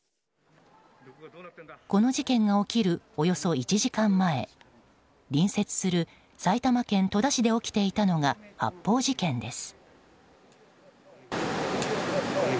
この事件が起きるおよそ１時間前隣接する埼玉県戸田市で起きていたのが発砲事件です。